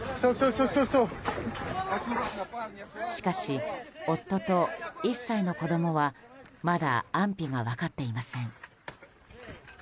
しかし、夫と１歳の子供はまだ安否が分かっていません。